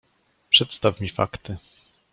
"Przedstaw mi fakty!"